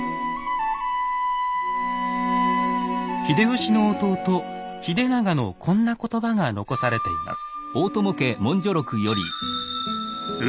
秀吉の弟秀長のこんな言葉が残されています。